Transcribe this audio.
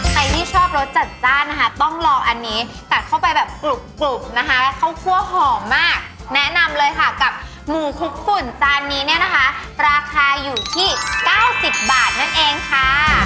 ใครที่ชอบรสจัดจ้านนะคะต้องรออันนี้ตัดเข้าไปแบบกรุบนะคะข้าวคั่วหอมมากแนะนำเลยค่ะกับหมูคลุกฝุ่นจานนี้เนี่ยนะคะราคาอยู่ที่๙๐บาทนั่นเองค่ะ